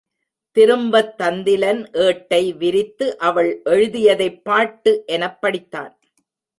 திரும்பத் தந்திலன் ஏட்டை விரித்து அவள் எழுதியதைப் பாட்டு எனப் படித்தான்.